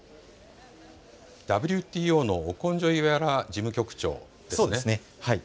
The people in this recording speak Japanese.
ＷＴＯのオコンジョイウェアラ事務局長ですね。